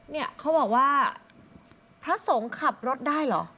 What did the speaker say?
เนี่ยเขาบอกว่าพระสงฆ์ขับรถได้เหรอ